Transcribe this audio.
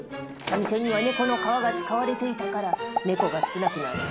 三味線には猫の皮が使われていたから猫が少なくなる。